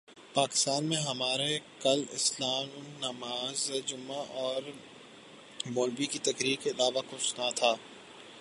پاکستان میں ہمارا کل اسلام نماز جمعہ اور مولبی کی تقریر کے علاوہ کچھ نہ تھا